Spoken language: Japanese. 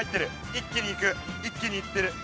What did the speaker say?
一気にいく一気にいってる。